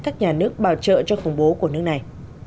các nhà nước bảo trợ cho khủng bố của nước này